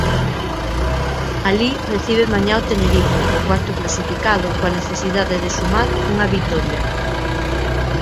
Alí recibe mañá o Tenerife, o cuarto clasificado, coa necesidade de sumar unha vitoria.